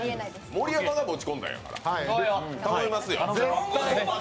盛山が持ち込んだんやから頼みますよ。